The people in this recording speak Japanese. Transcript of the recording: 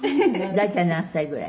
「大体何歳ぐらい？